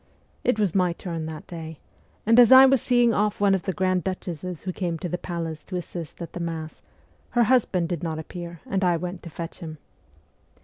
It was my turn that day ; and as I was seeing off one of the grand duchesses who came to the palace to assist at the Mass, her husband did not appear and I went to fetch him.